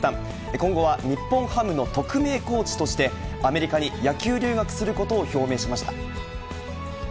今後は日本ハムの特命コーチとして、アメリカに野球留学することを表明しました。